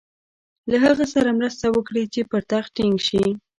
له هغه سره مرسته وکړي چې پر تخت ټینګ شي.